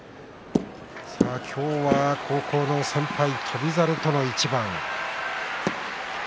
今日は高校の先輩翔猿との一番です。